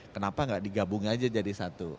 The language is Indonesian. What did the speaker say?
kenapa nggak digabung aja jadi satu